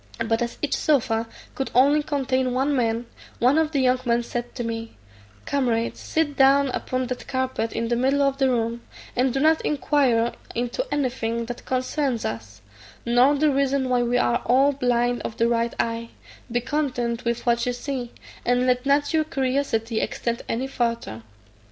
But as each sofa could only contain one man, one of the young men said to me, "Comrade, sit down upon that carpet in the middle of the room, and do not inquire into anything that concerns us, nor the reason why we are all blind of the right eye; be content with what you see, and let not your curiosity extend any farther."